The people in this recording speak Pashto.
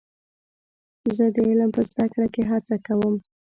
زه د علم په زده کړه کې هڅه کوم.